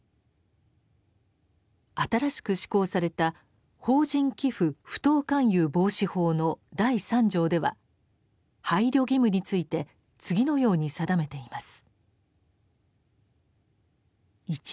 新しく施行された「法人寄附不当勧誘防止法」の第三条では配慮義務について次のように定めています。